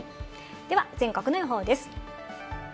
では全国の予報です。